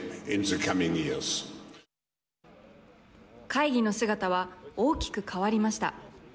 会議の姿は大きく変わりました。